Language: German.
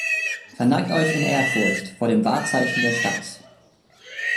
Verneigt euch in Ehrfurcht vor dem Wahrzeichen der Stadt!